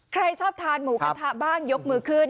ใครชอบทานหมูกระทะบ้างยกมือขึ้น